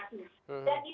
itu semuanya ada di media